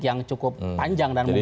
yang cukup panjang dan mungkin